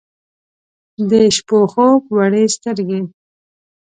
د شپو خوب وړي سترګې